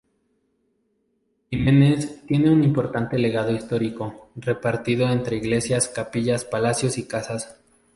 Bimenes tiene un importante legado histórico, repartido entre iglesias, capillas, palacios, y casas.